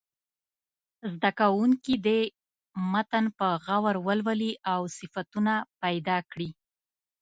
زده کوونکي دې متن په غور ولولي او صفتونه پیدا کړي.